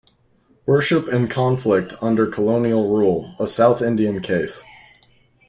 Worship and Conflict Under Colonial Rule: A South Indian Case.